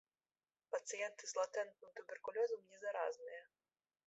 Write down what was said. Пацыенты з латэнтным туберкулёзам не заразныя.